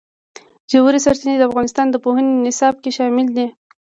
ژورې سرچینې د افغانستان د پوهنې نصاب کې شامل دي.